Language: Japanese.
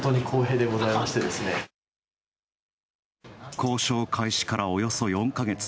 交渉開始からおよそ４か月。